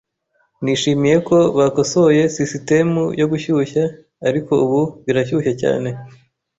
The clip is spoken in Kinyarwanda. Nishimiye ko bakosoye sisitemu yo gushyushya, ariko ubu birashyushye cyane. .